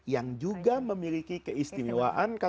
yang juga memiliki keistimewaan